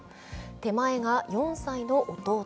手前が４歳の弟。